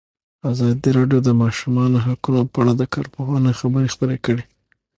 ازادي راډیو د د ماشومانو حقونه په اړه د کارپوهانو خبرې خپرې کړي.